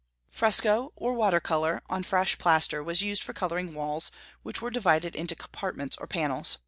Fresco, or water color, on fresh plaster, was used for coloring walls, which were divided into compartments or panels.